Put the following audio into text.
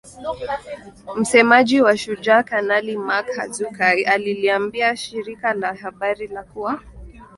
Msemaji wa Shujaa Kanali Mak Hazukay aliliambia shirika la habari la kuwa